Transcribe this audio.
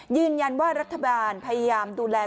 ยืนยันว่ารัฐบาลพยายามดูแล